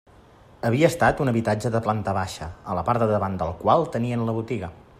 Havia estat un habitatge de planta baixa, a la part de davant del qual tenien la botiga.